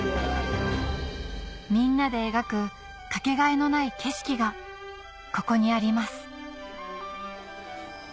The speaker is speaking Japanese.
みんなで描くかけがえのない景色がここにあります